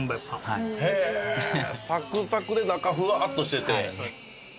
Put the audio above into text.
サクサクで中フワッとしてて。